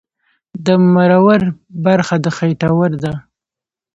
د مرور برخه د خېټور ده